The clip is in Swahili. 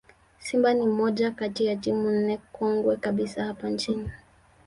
Simba ni moja kati ya timu nne kongwe kabisa hapa nchini